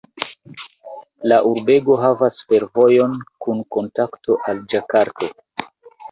La urbego havas fervojon kun kontakto al Ĝakarto.